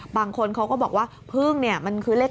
บางคนเขาก็บอกว่าพึ่งเนี่ยมันคือเลข๗